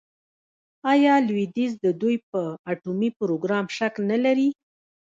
آیا لویدیځ د دوی په اټومي پروګرام شک نلري؟